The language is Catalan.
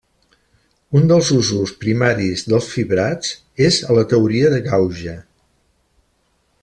Un dels usos primaris dels fibrats és a la teoria de gauge.